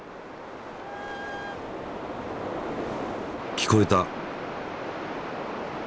聞こえた。